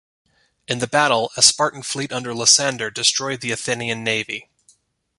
In the battle, a Spartan fleet under Lysander destroyed the Athenian navy.